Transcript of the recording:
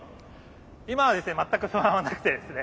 今はですね全く不安はなくてですね